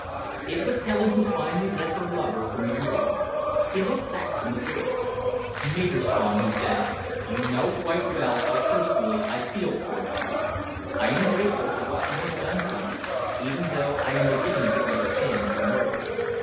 It was Helen who finally led her lover from the room. He looked back from the door. "Maderstrom," he said, "you know quite well how personally I feel towards you. I am grateful for what you have done for me, even though I am beginning to understand your motives.